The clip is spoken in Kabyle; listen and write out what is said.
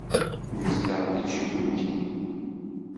Nezdeɣ deg Ǧibuti.